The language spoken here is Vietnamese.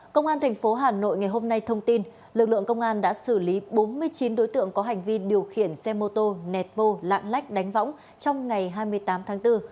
công an thành phố hà nội ngày hôm nay thông tin lực lượng công an đã xử lý bốn mươi chín đối tượng có hành vi điều khiển xe mô tô nẹt bô lạng lách đánh võng trong ngày hai mươi tám tháng bốn